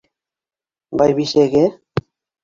Байбисәгә.